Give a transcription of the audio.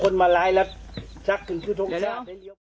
เดี๋ยวเร็ว